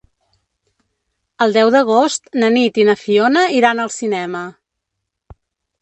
El deu d'agost na Nit i na Fiona iran al cinema.